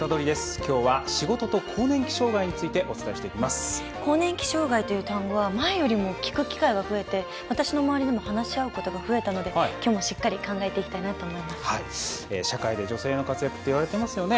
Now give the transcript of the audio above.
きょうは仕事と更年期障害について更年期障害という単語は前よりも聞く機会が増えて私の周りでも話し合うことが増えたのできょうも、しっかり社会で女性の活躍っていわれていますよね。